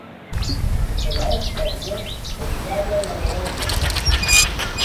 Que se la hèsque a vier eth diable era beuenda!